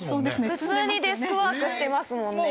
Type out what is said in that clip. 普通にデスクワークしてますもんね。